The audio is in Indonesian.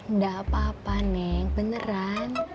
nggak apa apa neng beneran